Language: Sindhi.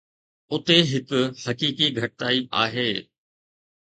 اتي هڪ حقيقي گهٽتائي آهي.